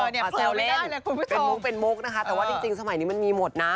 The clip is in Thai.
เนี่ยเผลอไม่ได้แหละคุณผู้ชมเป็นมุกนะคะแต่ว่าจริงสมัยนี้มันมีหมดนะ